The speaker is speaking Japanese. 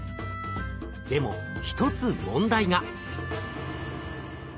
でも一つ問題が。